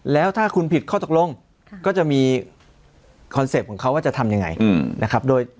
แล้วถ้าคุณผิดข้อตกลงก็จะมีคอนเซ็ปต์ของเขาว่าจะทำยังไงนะครับ